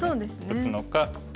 打つのか。